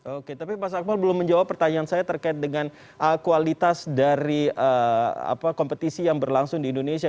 oke tapi mas akmal belum menjawab pertanyaan saya terkait dengan kualitas dari kompetisi yang berlangsung di indonesia